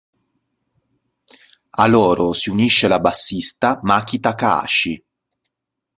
A loro si unisce la bassista Maki Takahashi.